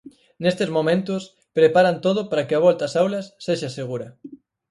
Nestes momentos, preparan todo para que a volta ás aulas sexa segura.